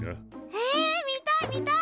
へえ見たい見たい！